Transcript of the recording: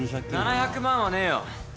７００万はねえよ。